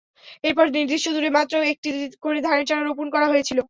এরপর নির্দিষ্ট দূরে মাত্র একটি করে ধানের চারা রোপণ করা হয়েছিল।